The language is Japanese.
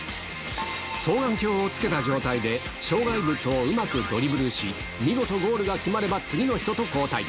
双眼鏡をつけた状態で障害物をうまくドリブルし、見事ゴールが決まれば次の人と交代。